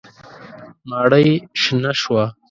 ماڼۍ شنه شوه.